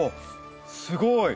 すごい！